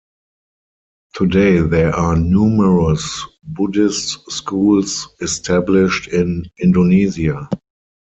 Today there are numerous Buddhist schools established in Indonesia.